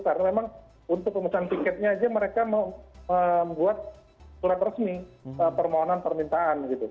karena memang untuk pemusuhan tiketnya aja mereka membuat surat resmi permohonan permintaan